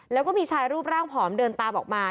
แล้วก็มีชายรูปร่างผอมเดินตามออกมา